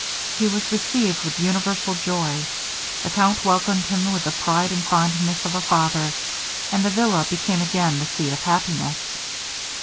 He was received with universal joy; the count welcomed him with the pride and fondness of a father, and the villa became again the seat of happiness.